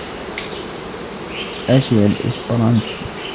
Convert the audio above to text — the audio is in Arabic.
أَشِع الإسبرانتو!